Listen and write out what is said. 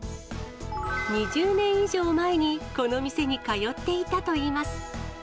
２０年以上前にこの店に通っていたといいます。